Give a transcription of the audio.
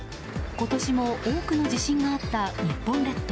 今年も多くの地震があった日本列島。